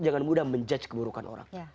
jangan mudah menjudge keburukan orang